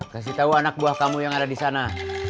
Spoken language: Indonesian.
kasih tau anak buah kamu yang ada disana